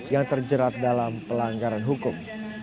yang terjerat dalam pelanggaran hukum